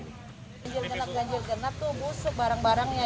ganjil genap ganjil genap tuh busuk barang barangnya